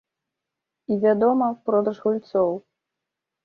І, вядома, продаж гульцоў.